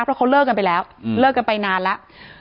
เพราะเขาเลิกกันไปแล้วเลิกกันไปนานแล้ว